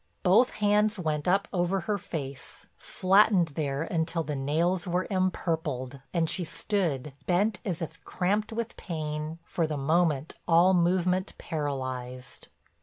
Both hands went up over her face, flattened there until the nails were empurpled, and she stood, bent as if cramped with pain, for the moment all movement paralyzed.